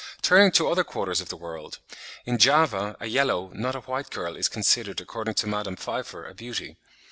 Turning to other quarters of the world; in Java, a yellow, not a white girl, is considered, according to Madame Pfeiffer, a beauty.